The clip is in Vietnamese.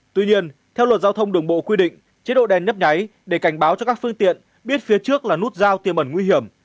tuy nhiên theo luật giao thông đường bộ quy định chế độ đen nhấp nháy để cảnh báo cho các phương tiện biết phía trước là nút giao tiềm ẩn nguy hiểm